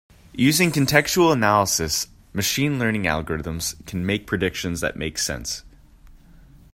Using contextual analysis, machine learning algorithms can make predictions that make sense.